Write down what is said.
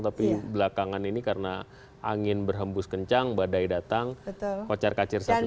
tapi belakangan ini karena angin berhembus kencang badai datang kocar kacir satu